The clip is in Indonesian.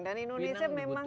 dan indonesia memang